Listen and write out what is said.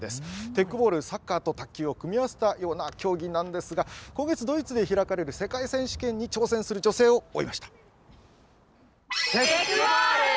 テックボール、サッカーと卓球を組み合わせたような競技なんですが今月ドイツで開かれる世界選手権に挑戦する女性を追いました。